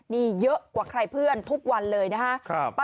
นี่เยอะกว่าใครเพื่อนทุกวันเลยนะฮะ